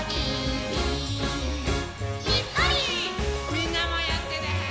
みんなもやってね。